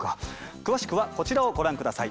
詳しくはこちらをご覧下さい。